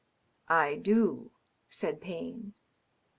"I do," said Payne.